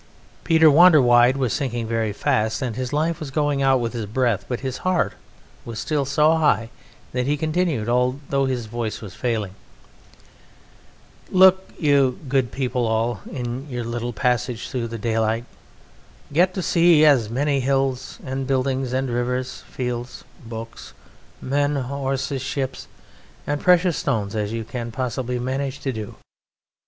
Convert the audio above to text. Peter Wanderwide was sinking very fast, and his life was going out with his breath, but his heart was still so high that he continued although his voice was failing: "Look you, good people all, in your little passage through the daylight, get to see as many hills and buildings and rivers, fields, books, men, horses, ships, and precious stones as you can possibly manage to do.